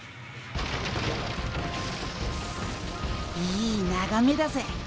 いいながめだぜ。